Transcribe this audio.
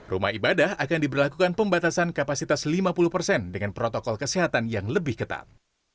rumah ibadah akan diberlakukan pembatasan kapasitas lima puluh persen dengan protokol kesehatan yang lebih ketat